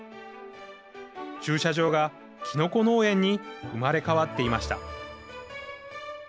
駐車場がきのこ農園に生まれ変わっていました。